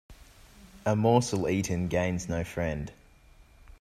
A morsel eaten gains no friend.